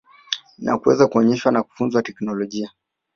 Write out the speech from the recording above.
na kuweza kuonyesha na kufunza teknolojia.